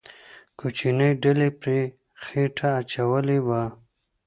کوچنۍ ډلې پرې خېټه اچولې وه.